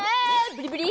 ブリブリ！